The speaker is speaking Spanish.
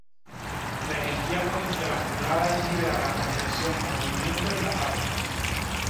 La energía potencial acumulada es liberada como presión o movimiento en la falla.